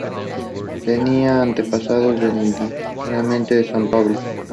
Girl choristers attend Truro School.